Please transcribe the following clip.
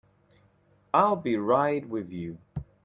I'll be right with you.